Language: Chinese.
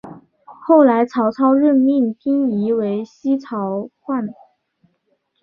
后来曹操任命丁仪为西曹掾。